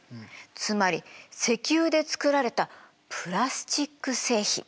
つまり石油で作られたプラスチック製品。